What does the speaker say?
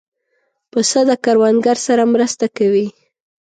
پسه د کروندګر سره مرسته کوي.